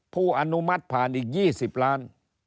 อนุมัติผ่านอีก๒๐ล้าน